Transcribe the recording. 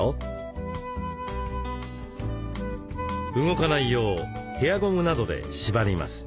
動かないようヘアゴムなどで縛ります。